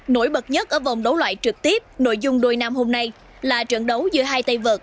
nổi bật nhất ở vòng đấu loại trực tiếp nội dung đôi nam hôm nay là trận đấu giữa hai tay vợt